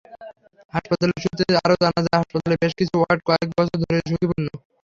হাসপাতাল সূত্রে আরও জানা যায়, হাসপাতালের বেশ কিছু ওয়ার্ড কয়েক বছর ধরেই ঝুঁকিপূর্ণ।